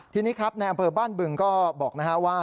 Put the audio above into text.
ทีนี้ครับในอำเภอบ้านบึงก็บอกนะฮะว่า